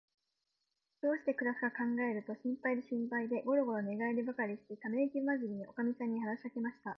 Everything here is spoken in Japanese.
どうしてくらすかかんがえると、心配で心配で、ごろごろ寝がえりばかりして、ためいきまじりに、おかみさんに話しかけました。